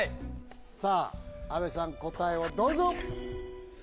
さあ阿部さん答えをどうぞ！